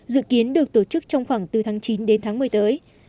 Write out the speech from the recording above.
dự kiến được tổ chức trong khoảng từ tháng chín đến tháng một mươi tới